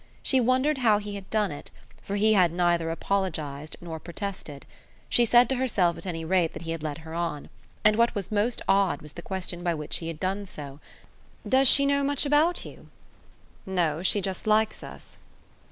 She wondered how he had done it, for he had neither apologised nor protested. She said to herself at any rate that he had led her on; and what was most odd was the question by which he had done so. "Does she know much about you?" "No, she just likes us."